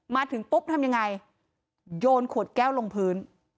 มาถึงปุ๊บทำยังไงโยนขวดแก้วลงพื้น